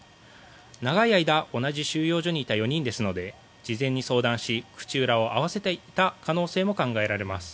長い間、同じ収容所にいた４人ですので事前に相談し口裏を合わせていた可能性も考えられます。